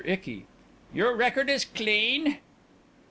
ICKY: Your record is clean.